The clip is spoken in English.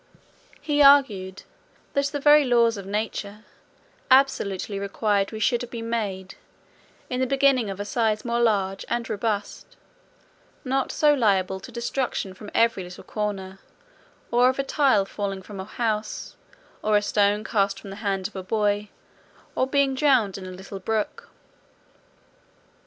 He argued, "that the very laws of nature absolutely required we should have been made, in the beginning of a size more large and robust; not so liable to destruction from every little accident, of a tile falling from a house, or a stone cast from the hand of a boy, or being drowned in a little brook."